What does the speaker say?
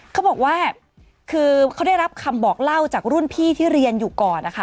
เขาบอกว่าคือเขาได้รับคำบอกเล่าจากรุ่นพี่ที่เรียนอยู่ก่อนนะคะ